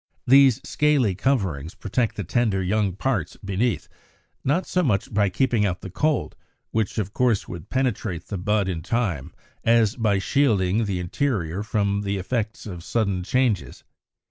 The scaly coverings protect the tender young parts beneath, not so much by keeping out the cold, which of course would penetrate the bud in time, as by shielding the interior from the effects of sudden changes.